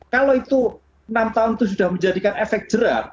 kalau itu enam tahun itu sudah menjadikan efek jerat